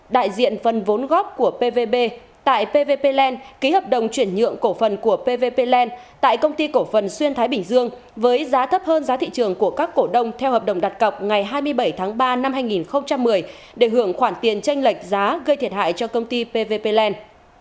đại diện phần vốn góp của pvbb tại pvp land ký hợp đồng chuyển nhượng cổ phần của pvp pland tại công ty cổ phần xuyên thái bình dương với giá thấp hơn giá thị trường của các cổ đông theo hợp đồng đặt cọc ngày hai mươi bảy tháng ba năm hai nghìn một mươi để hưởng khoản tiền tranh lệch giá gây thiệt hại cho công ty pvp pland